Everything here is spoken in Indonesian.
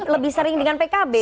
lebih sering dengan pkb